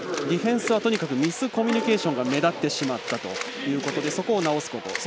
ディフェンスはとにかくミスコミュニケーションが目立ってしまったということでそこを直すこと。